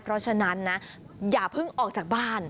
เพราะฉะนั้นนะอย่าเพิ่งออกจากบ้าน